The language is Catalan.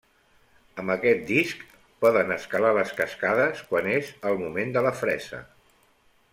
Amb aquest disc, poden escalar les cascades quan és el moment de la fresa.